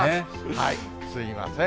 すみません。